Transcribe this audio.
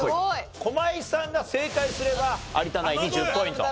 駒井さんが正解すれば有田ナインに１０ポイント。